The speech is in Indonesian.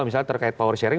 misalnya terkait power sharing